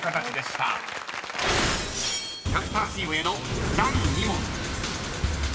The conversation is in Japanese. ［キャスターチームへの第２問］